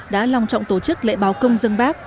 đã lòng trọng tổ chức lễ báo công dân bác